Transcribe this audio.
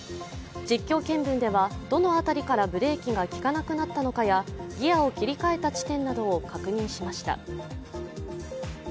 実況見分ではどの辺りからブレーキが利かなくなったのかやギヤを切り替えた地点などを確認しました。